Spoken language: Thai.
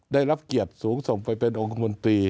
ได้รับเกียรติสูงส่งไปเป็นองค์คมนตรี